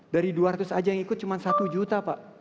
dari dua ratus saja yang ikut cuma satu juta pak